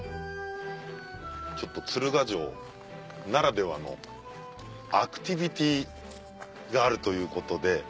鶴ヶ城ならではのアクティビティーがあるということで。